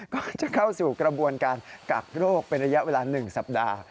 ก็จะเข้าสู่กระบวนการกักโรคเป็นระยะเวลา๑สัปดาห์